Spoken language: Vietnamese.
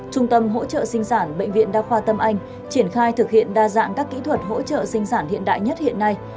trung tâm hỗ trợ sinh sản bệnh viện đa khoa tâm anh triển khai thực hiện đa dạng các kỹ thuật hỗ trợ sinh sản hiện đại nhất hiện nay